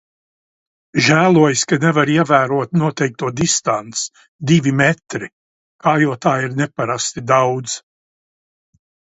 Žēlojas, ka nevar ievērot noteikto distanci – divi metri, kājotāju ir neparasti daudz.